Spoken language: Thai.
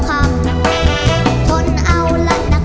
มันเติบเติบ